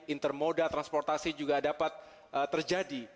intermoda transportasi juga dapat terjadi